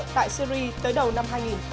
tại syri tới đầu năm hai nghìn một mươi chín